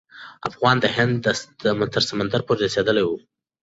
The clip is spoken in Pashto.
افغانان د هند تر سمندر پورې رسیدلي وو.